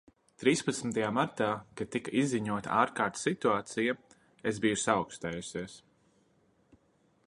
Trīspadsmitajā martā, kad tika izziņota ārkārtas situācija, es biju saaukstējusies.